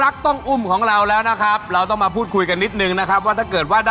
ขอบคุณค่ะ